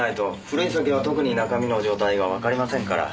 古い酒は特に中身の状態がわかりませんから。